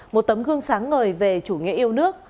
một tấm gương sáng ngời về chủ nghĩa yêu nước